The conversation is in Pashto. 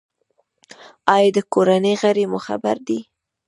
ایا د کورنۍ غړي مو خبر دي؟